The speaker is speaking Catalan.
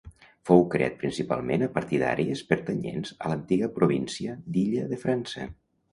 Fou creat principalment a partir d'àrees pertanyents a l'antiga província d'Illa de França.